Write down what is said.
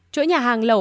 chuỗi nhà hàng lẩu